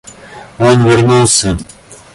Он вернулся.